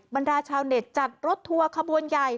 บรรดาชาวเน็ตจัดรถทัวร์ขบวนใหญ่